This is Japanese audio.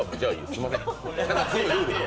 すんません。